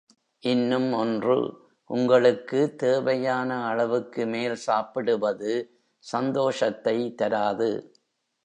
இன்னும் ஒன்று, உங்களுக்கு தேவையான அளவுக்குமேல் சாப்பிடுவது சந்தோஷத்தை தராது.